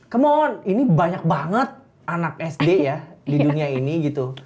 kemohon ini banyak banget anak sd ya di dunia ini gitu